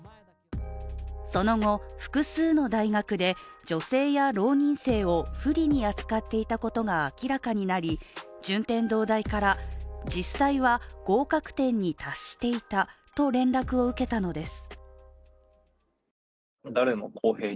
その後、複数の大学で女性や浪人生を不利に扱っていたことが明らかになり順天堂大から実際は合格点に達していたと連絡を受けたのです。